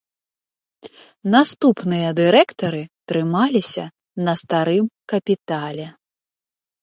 Наступныя дырэктары трымаліся на старым капітале.